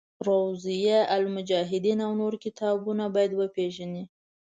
روضة المجاهدین او نور کتابونه باید وپېژني.